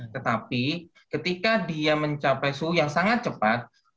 tetapi ketika dia mencapai suhu yang sangat cepat